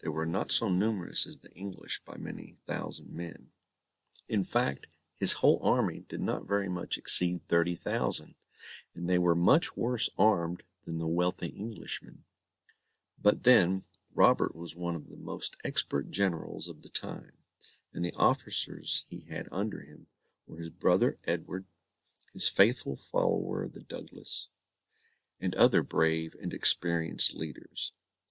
They were not so numerous as the English by many thousand men. In fact, his whole army did not very much exceed thirty thousand, and they were much worse armed than the wealthy Englishmen; but then, Robert was one of the most expert generals of the time; and the officers he had under him, were his brother Edward, his faithful follower the Douglas, and other brave and experienced leaders.